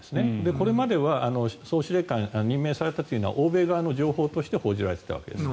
これまでは総司令官が任命されたというのは欧米側の情報として報じられていたわけです。